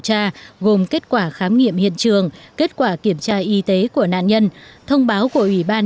tra gồm kết quả khám nghiệm hiện trường kết quả kiểm tra y tế của nạn nhân thông báo của ủy ban